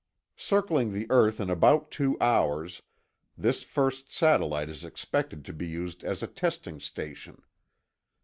Circling the earth in about two hours, this first satellite is expected to be used as a testing station.